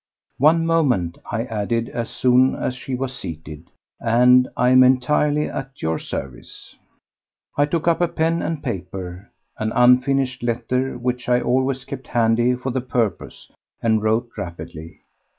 "One moment," I added, as soon as she was seated, "and I am entirely at your service." I took up pen and paper—an unfinished letter which I always keep handy for the purpose—and wrote rapidly.